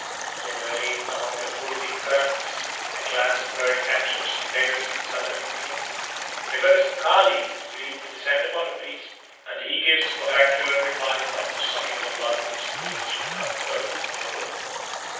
Similarly among the Kuruvikkarans, a class of bird catchers and beggars in Southern India, the goddess Kali is believed to descend upon the priest, and he gives oracular replies after sucking the blood which streams from the cut throat of a goat.